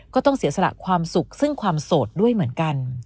ก็ต้องเสียสละความสุขซึ่งความโสดด้วยเหมือนกัน